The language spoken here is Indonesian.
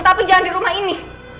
tapi jangan di rumah ini